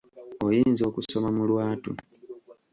Oyinza okusoma mu lwatu.